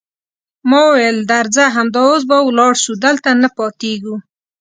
ما وویل: درځه، همدا اوس به ولاړ شو، دلته نه پاتېږو.